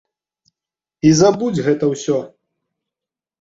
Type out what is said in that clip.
І забудзь гэта ўсё.